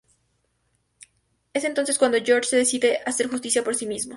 Es entonces cuando Jorge decide hacer justicia por sí mismo.